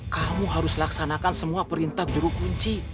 kamu harus laksanakan semua perintah gunungkawi